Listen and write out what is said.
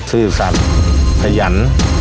ซื่อสัตว์ขยัน